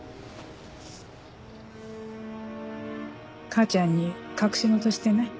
母ちゃんに隠し事してない？